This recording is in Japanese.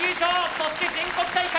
そして全国大会